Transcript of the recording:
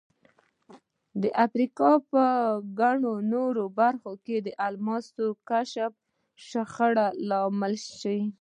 د افریقا په ګڼو نورو برخو کې د الماسو کشف شخړو لامل شو.